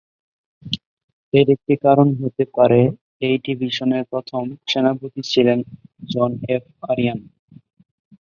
এর একটি কারণ হতে পারে এই ডিভিশনের প্রথম সেনাপতি ছিলেন জন এফ অরিয়ান।